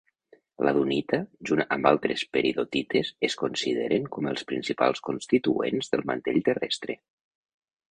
La dunita, junt amb altres peridotites es consideren com els principals constituents del mantell terrestre.